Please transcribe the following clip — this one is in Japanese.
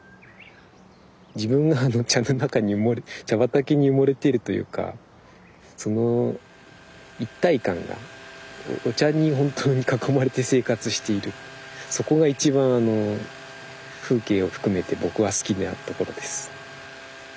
自分が茶の中に茶畑に埋もれているというかその一体感がお茶に本当に囲まれて生活しているそこが一番あの風景を含めて僕は好きなところです。